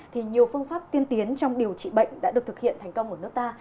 thì nhiều phương pháp tiên tiến trong điều trị bệnh đã được thực hiện thành công ở nước ta